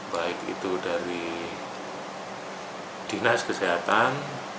baik itu dari dinas kesehatan